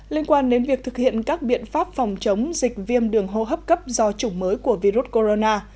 liên quan đến việc thực hiện các biện pháp phòng chống dịch viêm đường hô hấp cấp do chủng mới của virus corona